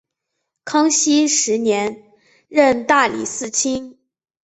康熙十年任大理寺卿。